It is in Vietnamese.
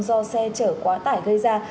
do xe chở quá tải gây ra